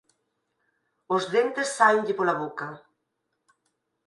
Os dentes sáenlle pola boca.